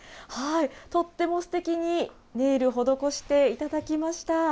とってもすてきにネイル施していただきました。